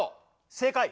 正解。